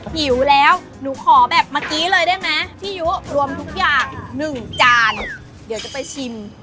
หิวแล้วหนูขอแบบเมื่อกี้เลยได้ไหมพี่ยุรวมทุกอย่างหนึ่งจานเดี๋ยวจะไปชิม